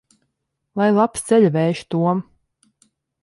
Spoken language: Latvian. Lai labs ceļavējš, Tom!